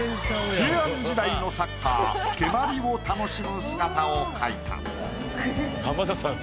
平安時代のサッカー蹴鞠を楽しむ姿を描いた。